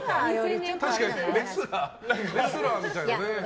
確かにレスラーみたいなね。